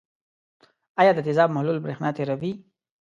آیا د تیزاب محلول برېښنا تیروي؟